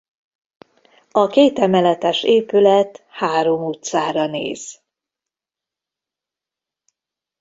A kétemeletes épület három utcára néz.